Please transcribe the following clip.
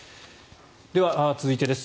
では、続いてです。